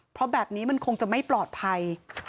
เพราะแบบนี้มันคงจะไม่ปลอดภัย